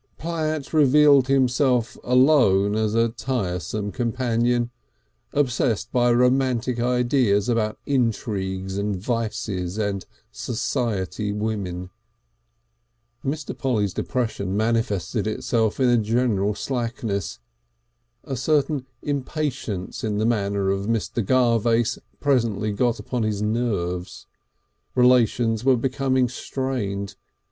Platt revealed himself alone as a tiresome companion, obsessed by romantic ideas about intrigues and vices and "society women." Mr. Polly's depression manifested itself in a general slackness. A certain impatience in the manner of Mr. Garvace presently got upon his nerves. Relations were becoming strained.